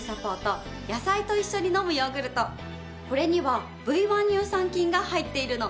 これにはＶ１乳酸菌が入っているの。